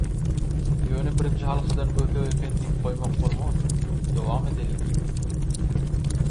Ýöne birinji halkadan gözleg eken diýip goýmak bolmaz, dowam edeliň.